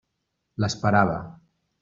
L'esperava.